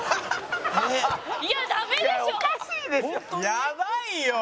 やばいよ！